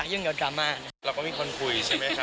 คนแทงว่ามีคนถามอะไร